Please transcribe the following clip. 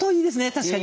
確かに。